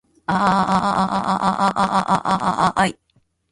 ああああああああああああああああい